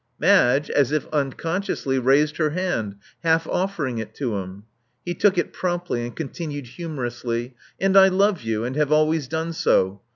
Madge, as if uncon sciously, raised her hand, half offering it to him. He took it promptly, and continued humorously, And I love you, and have always done so.